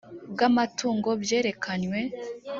bw amatungo byerekanywe